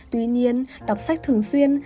tuy nhiên đọc sách thường xuyên